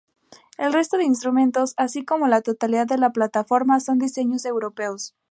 El resto de instrumentos así como la totalidad de la Plataforma son diseños europeos.